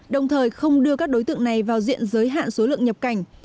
đồng thời không đưa các đối tượng này vào diện giới hạn số lượng nhập cảnh